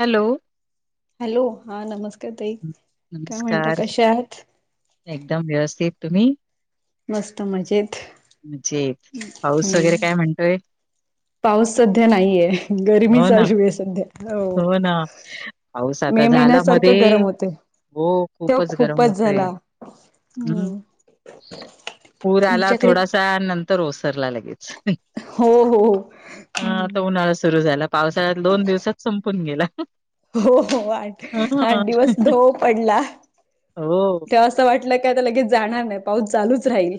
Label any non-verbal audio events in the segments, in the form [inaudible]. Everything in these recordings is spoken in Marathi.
हॅलो. हॅलो हा नमस्ते ताई काय म्हणत नमस्कार कशा आहात. एकदम व्यवस्थित तुम्ही. मस्त मजेत म्हणजे पाऊस हम्म वगैरे काय म्हणतोय? पाऊस सध्या नाहीये गरमी हो ना चालू आहे सध्या. हो ना. पाऊस आता मे झाला महिन्यासारखे मध्ये गरम होते हो तेव्हा गरम खूपच होतय झाला. हम्म, पूर आला थोडासा नंतर ओसरला लगेच. हो हो हा हम्म. आता उन्हाळा सुरू झाला. पावसाळा दोन दिवसात संपून गेला. हो हो आठ, आठ ह दिवस धो पडला हो ते असं वाटलं की आता लगेच जाणार नाही, पाऊस चालूच राहील.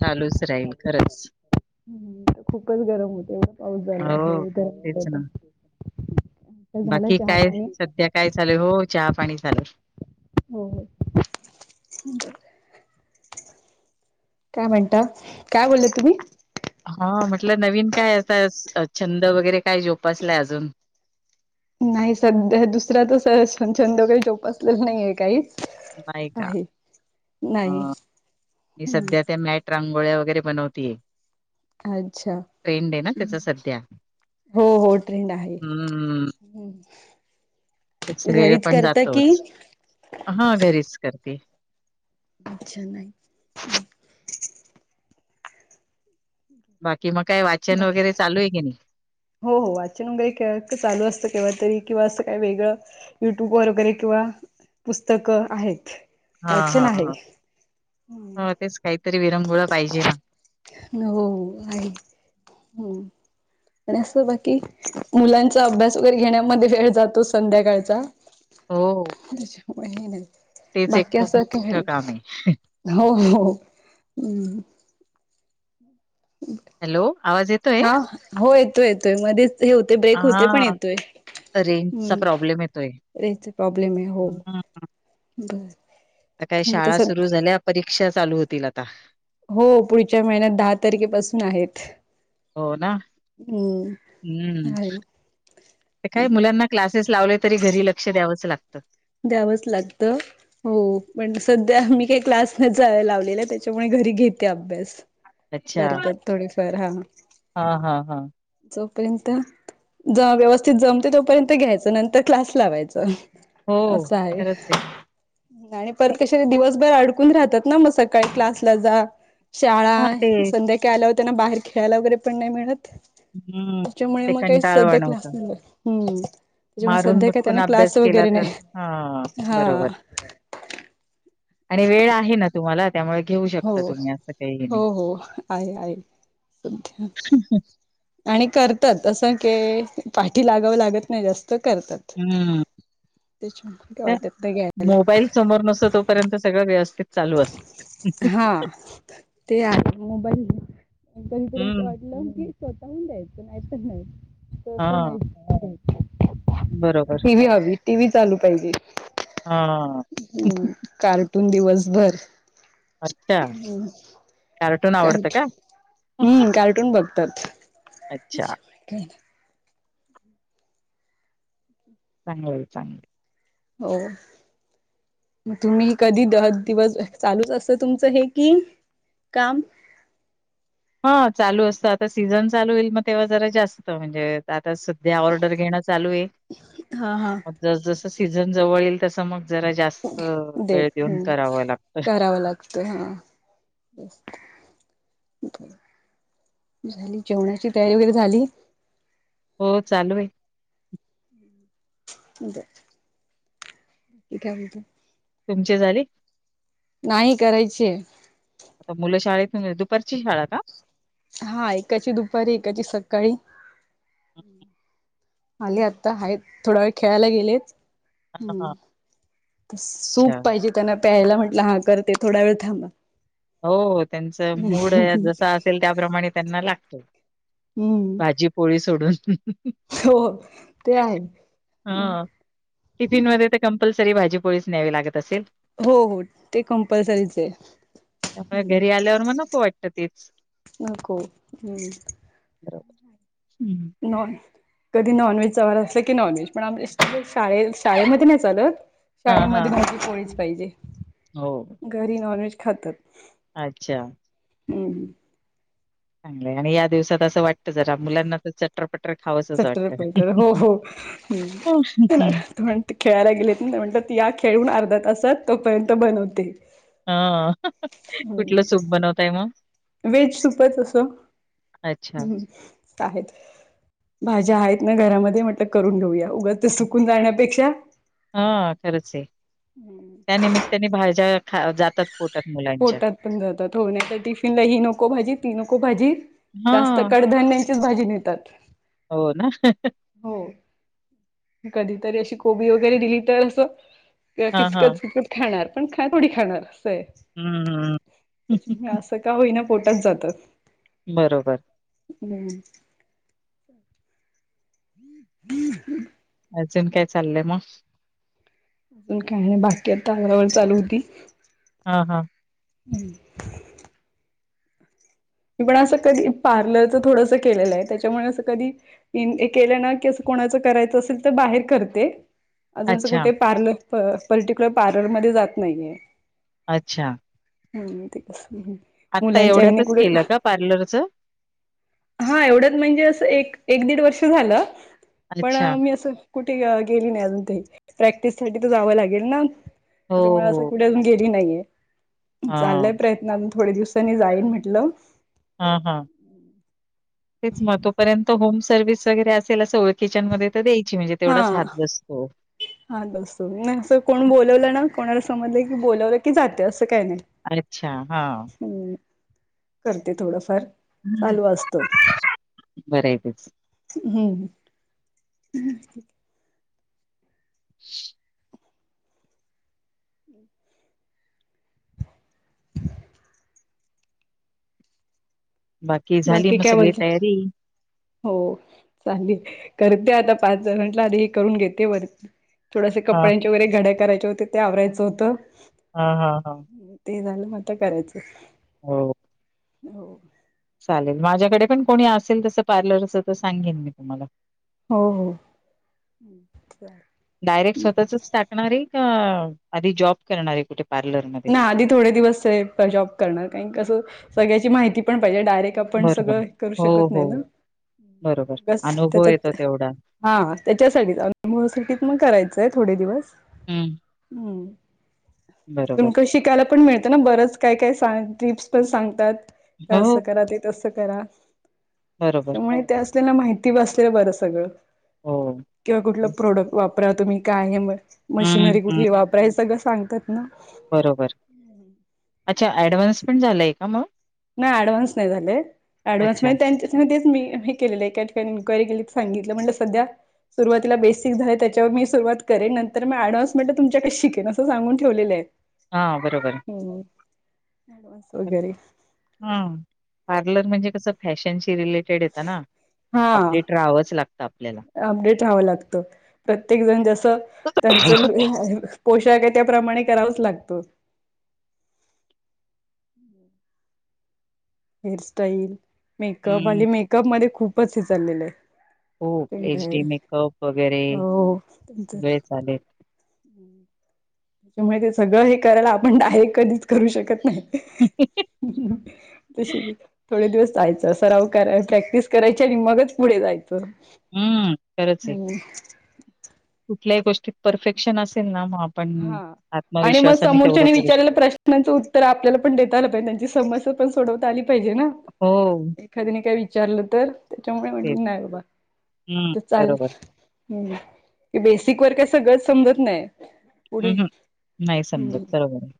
चालूच राहील खरंच. हम्म. खूपच गरम होते एवढा पाऊस झाला हो हे तेच ना तर. हो झालं बाकी चहा काय पाणी. सध्या काय चालय हो चाय पाणी चालय. हो हो. [unintelligible] काय म्हणता, काय बोलले तुम्ही? हा म्हटलं नवीन काय असं छंद वगैरे काय? जोपासलाय अजून. नाही सध्या दुसरा तसं छंद काही झोपसलंच नाहीये काहीच. नाही का आहे. नाही ती सध्या हम्म त्या मॅट रांगोळ्या वगैरे बनवतीय अच्छा ट्रेंड आहे ना त्याचा सध्या. हो हो ट्रेंड आहे. हम्म. घरीच करता की. हा घरीच करते. छान आहे. बाकी मग काय वाचन बाकी वगैरे चालू आहे की नाही. हो हो. वाचन वगैरे काय चालू असतंय केव्हातरी किंवा असं काही वेगळं. युट्यूब वर वगैरे किंवा पुस्तकं आहेत. हां, वाचन हां, आहे. काही तरी विरंगुळा पाहिजे ना. हो आहे हो आणि आज बाकी. मुलांचा अभ्यास वगैरे घेण्यामध्ये वेळ जातो संध्याकाळचा. हो, [unintelligible] तेच एक बाकी खूप असं मोठं [unintelligible] काम आहे. हो हो हो. हम्म. हॅलो आवाज येतोय. हा हो येतोय येतोय. मध्येच हे होते ब्रेक होतंय, पण हां, येतोय. रेंजचा हम्म, प्रॉब्लेम येतोय. रेंजच प्रॉब्लेम आहे हो हं, बर. आता या तुम्ही शाळा तस सुरू झाल्या परीक्षा चालू होतील आता. हो पुढच्या महिन्यात दहा तारखेपासून आहेत. हो ना? हम्म हम्म. आहे ते काय मुलांना क्लासेस लावले तरी घरी लक्ष द्यावंच लागतं. द्यावच लागतं. हो पण सध्या मी काही क्लास [unintelligible] लावलेला त्याच्यामुळे घरी घेते अभ्यास. अच्छा. करतात थोडीफार हा. हां, हां, हां. जोपर्यंत ज व्यवस्थित जमतय तोपर्यंत घ्यायचं नंतर क्लास लावायच. हो, असं आहे. खरंच आणि परत नाही कशाला दिवसभर अडकून राहतात ना मग सकाळी क्लासला जा शाळा हां, ते संध्याकाळी आल्यावर त्यांना बाहेर खेळायला वगैरे पण नाही मिळत. हं, त्याच्यामुळे ते मग काही सध्या कंटाळवाणं क्लास होतं. ना हम जेव्हा संध्याकाळी त्यांना क्लास वगैरे नाही हा हाहा हा बरोबर अरे वेळ आहे ना तुम्हाला त्यामुळे घेऊ हो शकता तुम्ही असं काहीही नाही. सख्या. आणि करतात असं के पाठी लागावं लागत नाही जास्त करतात. हं, त्याच्या तर [unintelligible] घ्यायला [unintelligible] मोबाईल समोर नसतो तोपर्यंत सगळं व्यवस्थित चालू असतं ह हा ते आहे मोबाईल बंद करून [unintelligible] आ हं, स्वतःहून द्यायचं नाही तर नाही. हो तर हां, नाहीच करायचं. बरोबर. टी व्ही हवी टी व्ही चालू पाहिजे हां, हम. कार्टून दिवसभर. अच्छा हु आवडतं कार्टून का? हु कार्टून बघ तत अच्छा, [unintelligible] चांगलं हो चांगलं [unintelligible] हो. मग तुम्ही कधी द दिवस चालूच असत तुमचं हे कि काम? हा चालू असतं आता सीझन चालू होईल मग तेव्हा जरा जास्त म्हणजे आता सू ते ऑर्डर घेणं चालू ये. हा हा. जस जस सीजन जवळ येईल तसं मग जरा जास्त वेळ देऊन करावं लागतं. ते हा जेवणाची तयारी वगैरे झाली? हो चालूए. [inaudible] दे [unintelligible] ही काय बोलते [unintelligible] तुमचे झाली? नाही करायचीए. मुलं शाळेतून [unintelligible] दुपारची शाळा का? हा एकाची दुपारी एकाची सकाळी. आले आत्ता आहेत थोडा वेळ खेळायला गेलेत. हम हां, अच्छा सूप पाहिजे त्यांना प्यायला म्हटलं हा करते थोडा वेळ थांबा. हो त्यांचा मूड ए जस असेल त्याप्रमाणे त्यांना लागतो. हम्म भाजी पोळी सोडून हो ते आहे. हा टिफिन मध्ये तर कंपल्सरी भाजी पोळीच न्यावी लागत असेल? हो हो ते कंपल्सरीच आहे. त्यामुळे घरी आल्यावर मग नको वाटत तेच. नको हम्म. बरोबर, हम्म. नोन [unintelligible] कधी नॉनव्हेजचा वार असला की नॉनव्हेज पण आमलेट म्हणजे शाळेत शाळेमध्ये नाही चालत. हा हा शाळेमध्ये भाजी पोळीच पाहिजे. हो. घरी नॉनव्हेज खातात. अच्छा. हम्म. चांगल हाय. आणि या दिवसात असं वाटतं जरा मुलांना तर च टरपटर खावच [unintelligible] हो हो. [unintelligible] ते खेळायला गेलेत. मी म्हंटल ती या खेळून अर्ध्या तासात तोपर्यंत बनवते. हा. कुठलं हम्म सूप बनवताय मग? व्हेज सुप हाय तसं, ‌ अच्छा. हम्म. आहेत. भाज्या आहेत ना घरामध्ये म्हटलं करून घेऊया. उग ते सुकून जाण्यापेक्षा हा खरच आहे. हम्म. त्या निमित्याने भाज्या खा जातात. पोटात मुलां पोटात पण जातं हो नाहीतर टिफिनला ही नको भाजी ती नको भाजी. जास्त हां, कडधान्यांचीच भाजी नेतात. हो ना? हो. कधीतरी अशी कोबी वगैरे दिली तर असं किंवा हां, हां. किचकच किचकत खाणार, पण खाण थोडी खाणार असं आहे. हम्म. त्याच्यामुळे असं का होईना पोटात जाता. बरोबर. हम्म. [unintelligible] अजून काय चाललंय मग? पण काय नाही. बाकी आता [unintelligible] चालू होती. हां हां. हम्म. मी पण असं कधी पार्लरच थोडंसं केलेलं आहे, त्याच्यामुळे असं कधी इन ए केल्या ना की असं कोणाचं करायचं असेल तर बाहेर करते. अजूनचं अच्छा, कुठे पार्लर तर पर्टिक्युलर पार्लर मध्ये जात नाहीये. अच्छा. हम्म ते कसं आत्ता एवढ्यातच केलं का पार्लरच? हा एवढ्यात म्हणजे असं एक एक दीड वर्ष झालं. पण अच्छा. मी असं कुठे अ गेली नाही अजून ते प्रॅक्टिस साठी तर जावं लागेल ना. हो, त्याच्यामुळे हो. असं कुठे अजून गेली नाहीये चालाय हां. प्रयत थोडे दिवसांनी जाईन म्हटलं. हा हा तेच म तोपर्यंत होम सर्विस वगैरे असेल असं किचनमध्ये तर द्यायची म्हणजे तेवढाच हा हात बसतो. हा बसतो. नाही असं कोण बोलवलं ना, कोणाला समजलं की बोलावलं की जाते असं काही नाही. अच्छा हा. हम्म. करते थोडंफार हम्म. चालू असतं. बरं आहे तेच. हम्म. हुं. हुं. [inaudible] झाली बाकी मग कय सगळी बोलता? तयारी? हो चालेल करते आता पाच जण म्हटला आधी हेकरून घेते बरं थोडयाशा हा कपड्यांच्या वगैरे घड्या करायच्या होते ते आवरायचं होतं. हा हा हा. ते झालं म आता करायचं. हो. हो. चालेल माझ्याकडे पण कोणी असेल तसं पार्लरचं तर सांगेन मी तुम्हाला. हो हो. डायरेक्ट स्वतःचच टाकणारे का आधी जॉब करणारे कुठे? पार्लर ना आधी थोडे दिवस जॉब करणार काही कसं सगळ्याची माहिती पण पाहिजे डायरेक्ट. ते आपण बरोबर सगळं करू हो शकत हो नाही ना बरोबर बस अनुभव त्याच्यात येतो तेवढा हा त्याच्यासाठीच सिटीत मग करायचंय थोडे दिवस. हम्म. हम्म. बरोबर तुमकं शिकायला पण मिळतं ना बरंच काय-काय सां टिप्स पण सांगतात हो असं करा ते तस करा बरोबर त्याच्यामुळे ते असलेला माहिती बसलेलं बरं सगळं. हो किंवा कुठलं प्रोडक्ट वापरा तुम्ही काय हम्म मशनरी हम्म कुठली वापरा. प्रय सगळं सांगतात ना. बरोबर अच्छा ऍडव्हान्स पण झालाय का म? नाही ऍडव्हान्स नाही झाले अच्छा. ऍडव्हान्समेंट त्या हा तेच मी हे केलेला आहे कट करून इनक्वायरी केली तर सांगितलं म्हणलं सध्या सुरुवातीला बेसिक झाल त्याच्यावर मी सुरवात करेन नंतर मी अँडव्हान्समेंट ला म्हटल तुमच्या कडे शिकेन असं सांगून ठेवलेलं आहे. हां, बरोबर. हम्म [unintelligible] वगैरे हा पार्लर म्हणजे कसं फॅशनशी रिलेटेड येत ना. हा अपडेट राहावंच लागत. अपडेट राहावं लागत प्रत्येक जण जस त्यांचं पोशाक आहे त्याप्रमाणे करावच लागतो. हेअरस्टाईल, मेकअप वाले हं. मेकअप मध्ये खूपच हे चाललेलं आहे. खूप एच डी बरं मेकअप हो तुमचं. चालेल. त्याच्यामुळे ते सगळं हे करायला आपण डायरेक्ट कधीच करू शकत नाही. ते [unintelligible] तशी थोडे दिवस जायचं सराव कराय प्रॅक्टिस करायची आणि मगच पुढे जायचं. हं. खरंच आहे. हम्म. कुठल्याही गोष्टीत परफेक्शन असेल ना माप हा आणि म समोरच्यानी करू शकतो. विचारलेला प्रश् नांचं उत्तर आपल्याला पण देता आलं पाहिजे त्यांची समस्या पण सोडवता आली पाहिजे ना. हो. एखाद्याने काय विचारलं तर त्याच्यामुळे तेच. म्हटले नाही बाबा हं. त चाले बरोबर. हम्म हे बेसिक वर काय सगळं समजत नाय. हम्म. हम्म. नाही समजत बरोबर आहे.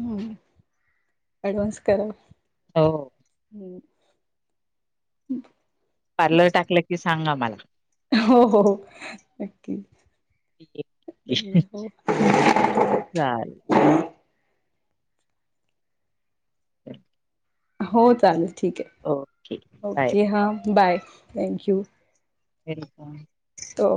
हम्म अडवान्स करा हो, हम्म. हम् पार्लर टाकला की सांगा मला. हो हो नक्की. चालेल, [inaudible] [unintelligible] हो चालेल ठीक ये, ओके, बाय. ओके हा बाय थँक यू. वेलकम. तो